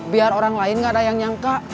biar orang lain gak ada yang nyangka